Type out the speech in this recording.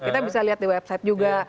kita bisa lihat di website juga